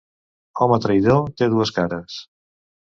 Home traïdor té dues cares.